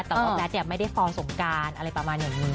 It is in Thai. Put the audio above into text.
แต่ตอนแมทไม่ได้ฟอลล์สงการอะไรประมาณนี้